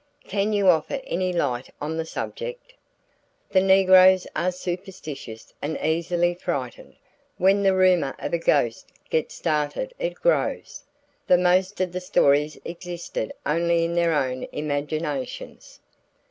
"Can you offer any light on the subject?" "The negroes are superstitious and easily frightened, when the rumor of a ghost gets started it grows. The most of the stories existed only in their own imaginations."